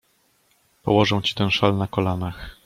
Położę ci ten szal na kolanach.